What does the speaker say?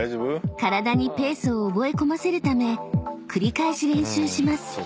［体にペースを覚え込ませるため繰り返し練習します］